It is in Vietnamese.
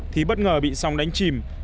thí bất ngờ bị sóng đánh chìm